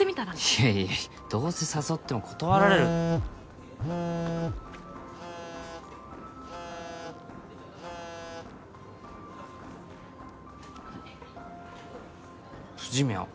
いやいやいやどうせ誘っても断られるふ藤宮？